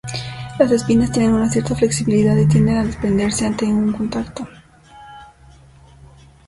Las espinas tienen una cierta "flexibilidad" y tienden a desprenderse ante un contacto.